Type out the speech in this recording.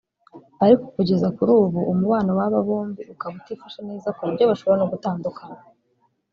Ariko kugeza kuri ubu umubano w’aba bombi ukaba utifashe neza ku buryo bashobora no gutandukana